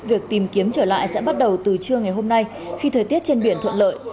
việc tìm kiếm trở lại sẽ bắt đầu từ trưa ngày hôm nay khi thời tiết trên biển thuận lợi